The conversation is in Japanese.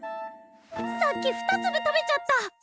さっき２粒食べちゃった。